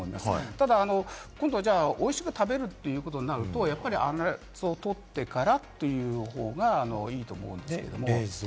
ただおいしく食べるということになると、やっぱり粗熱をとってからという方がいいと思うんですよね。